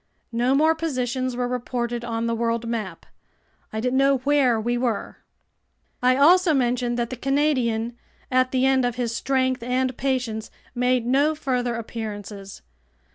No more positions were reported on the world map. I didn't know where we were. I'll also mention that the Canadian, at the end of his strength and patience, made no further appearances.